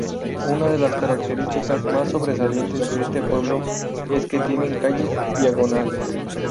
Una de las características más sobresalientes de este pueblo es que tiene calles diagonales.